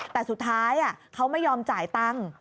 แต่สุดท้ายเขาไม่ยอมจ่ายตังค์